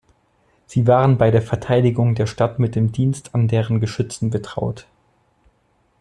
Sie waren bei der Verteidigung der Stadt mit dem Dienst an deren Geschützen betraut.